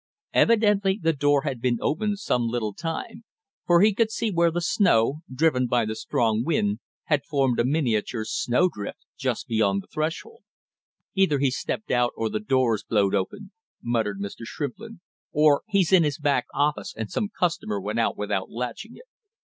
Evidently the door had been open some little time, for he could see where the snow, driven by the strong wind, had formed a miniature snow drift just beyond the threshold. "Either he's stepped out and the door's blowed open," muttered Mr. Shrimplin, "or he's in his back office and some customer went out without latching it."